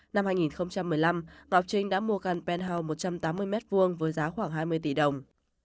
năm hai nghìn một mươi năm ngọc trinh đã mua căn một trăm tám mươi m hai với giá khoảng hai mươi tỷ đồng